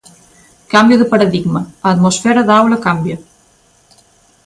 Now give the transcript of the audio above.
Cambio de paradigma. A atmosfera da aula cambia.